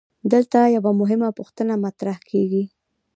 دلته یوه مهمه پوښتنه مطرح کیږي.